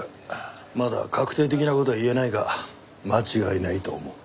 まだ確定的な事は言えないが間違いないと思う。